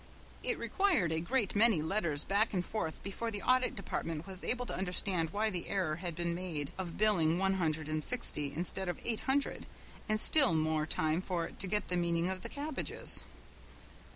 It required a great many letters back and forth before the Audit Department was able to understand why the error had been made of billing one hundred and sixty instead of eight hundred, and still more time for it to get the meaning of the "cabbages."